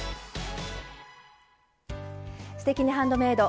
「すてきにハンドメイド」